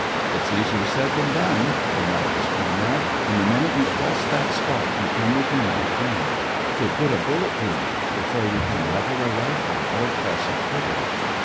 "It's easier said than done," remarked his comrade, "and the minute you cross that spot you come within his range. He'll put a bullet through you before you can level a rifle or press a trigger."